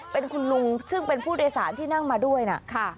เป็นคุณลุงซึ่งเป็นผู้โดยสารที่นั่งมาด้วยนะ